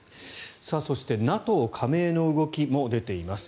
そしてＮＡＴＯ加盟の動きも出ています。